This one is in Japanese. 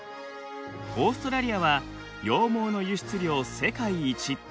オーストラリアは羊毛の輸出量世界一。